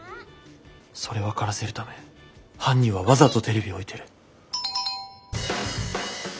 それ分からせるため犯人はわざとテレビを置いてる。